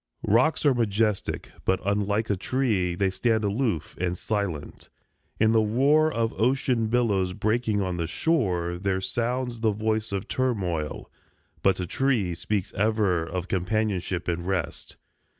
Rocks are majestic; but, unlike a tree, They stand aloof, and silent. In the roar Of ocean billows breaking on the shore There sounds the voice of turmoil. But a tree Speaks ever of companionship and rest.